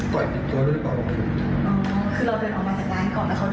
ใช่